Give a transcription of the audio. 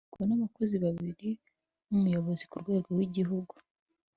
yunganirwa n abakozi babiri n’umuyobozi ku rwego rw’igihugu